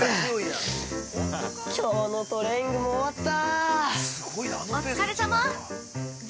きょうのトレーニングも終わった。